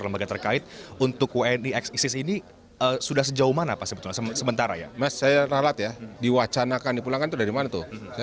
bapak komjen paul soehardi alius